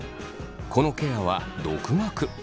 このケアは独学。